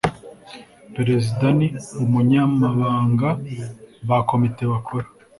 perezida n umunyamabanga ba komite bakora